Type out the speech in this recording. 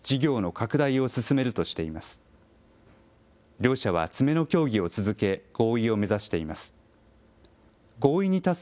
両社は詰めの協議を続け、合意を目指しています。